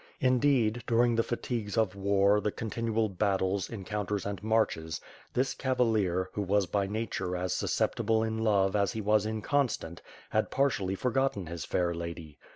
In deed, during the fatigues of war, the continual battles, en counters and marches, this cavalier, who was by nature as susceptible in love as he was inconstant, had partially for gotten his fair lady.